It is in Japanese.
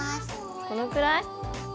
このくらい？